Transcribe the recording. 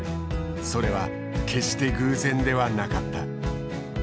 それは決して偶然ではなかった。